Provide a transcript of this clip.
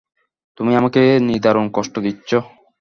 তুমি আমাকে নিদারুণ কষ্ট দিচ্ছ।